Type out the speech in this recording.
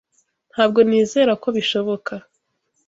Ntabwo nizera ko bishoboka.